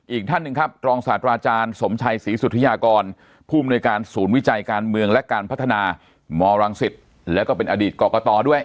อีกท่านหนึ่งครับรองศาสตราอาจารย์สมชัยศรีสุธิยากรผู้มนุยการศูนย์วิจัยการเมืองและการพัฒนามรังสิตแล้วก็เป็นอดีตกรกตด้วย